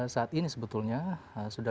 saat ini sebetulnya sudah